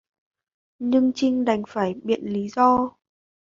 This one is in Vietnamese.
Nhưng trinh đành phải biện lý do